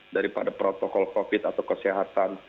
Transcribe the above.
daripada protokol covid atau kesehatan